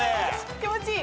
気持ちいい。